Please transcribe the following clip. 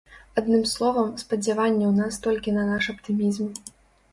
Адным словам, спадзяванні ў нас толькі на наш аптымізм.